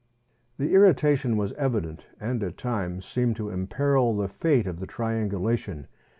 The irritation was evident, and at times seemed to imperil the fate of the triangulation.